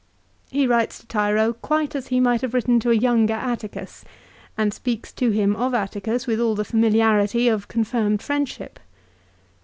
1 He writes to Tiro quite as he might have written to a younger Atticus, and speaks to him of Atticus with all the familiarity of confirmed friendship.